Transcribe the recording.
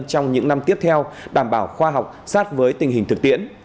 trong những năm tiếp theo đảm bảo khoa học sát với tình hình thực tiễn